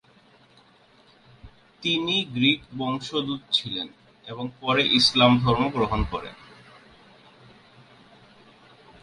তিনি গ্রীক বংশোদ্ভুত ছিলেন এবং পরে ইসলাম ধর্ম গ্রহণ করেন।